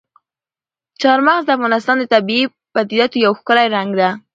چار مغز د افغانستان د طبیعي پدیدو یو ښکلی رنګ دی.